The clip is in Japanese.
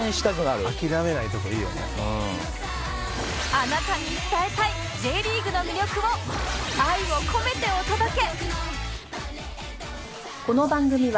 あなたに伝えたい Ｊ リーグの魅力を愛を込めてお届け！